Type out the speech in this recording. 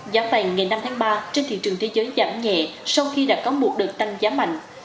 giá vàng ngày năm tháng ba trên thị trường thế giới giảm nhẹ sau khi đã có một đợt tăng giá mạnh